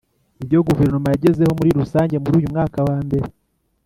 Ibyo Guverinoma yagezeho muri rusange muri uyu mwaka wa mbere